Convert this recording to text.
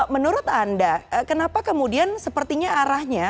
menurut anda kenapa kemudian sepertinya arahnya